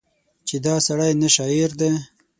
چې دا سړی نه شاعر دی